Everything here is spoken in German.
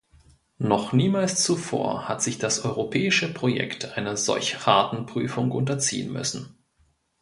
Noch niemals zuvor hat sich das europäische Projekt einer solch harten Prüfung unterziehen müssen.